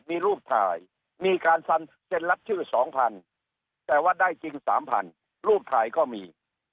มีรูปถ่ายมีการฟันเซ็นรับชื่อ๒๐๐แต่ว่าได้จริง๓๐๐รูปถ่ายก็มี